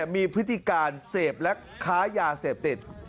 มีพฤติการเสพและค้ายาเสพติด